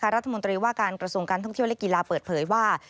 รัฐมนตรีว่าการกระทรวงการท่องเที่ยวและกีฬาเปิดเผยว่า